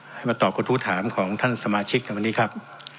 ให้มาตอบกระทู้ถามของท่านสมาชิกในวันนี้ครับ